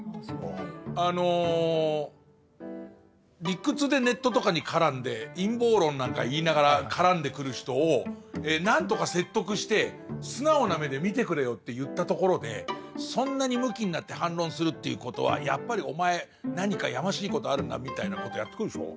あの理屈でネットとかに絡んで陰謀論なんか言いながら絡んでくる人を何とか説得して素直な目で見てくれよって言ったところでそんなにむきになって反論するっていうことはやっぱりお前何かやましいことあるなみたいなことやってくるでしょ。